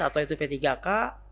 atau itu p tiga k